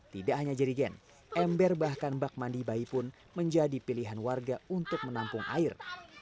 tidak hanya jerigen ember bahkan bak mandi bayi pun menjadi pilihan warga untuk menampung air